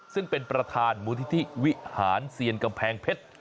ซึ่งเป็นประธานมูลนิธิวิหารเซียนกำแพงเพชร